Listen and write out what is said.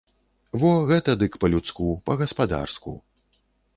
Во, гэта дык па-людску, па-гаспадарску.